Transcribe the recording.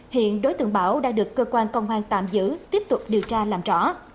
hiện đối tượng bảo đã được cơ quan công an tạm giữ tiếp tục điều tra làm rõ